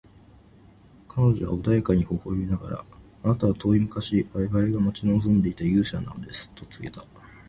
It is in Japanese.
彼女は穏やかに微笑みながら、「あなたは遠い昔、我々が待ち望んでいた勇者なのです」と告げた。